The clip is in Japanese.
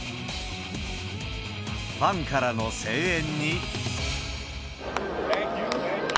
ファンからの声援に。